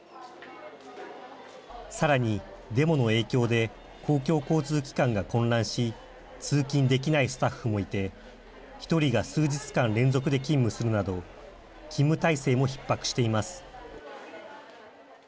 さらに、デモの影響で公共交通機関が混乱し通勤できないスタッフもいて１人が数日間連続で勤務するなど勤務体制もひっ迫しています。